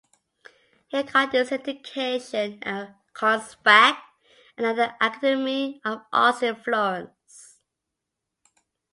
He got his education at Konstfack and at the academy of arts in Florence.